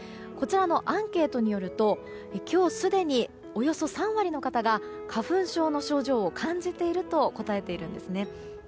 こちらのアンケートによると今日すでにおよそ３割の方が花粉症の症状を感じていると答えているんですね。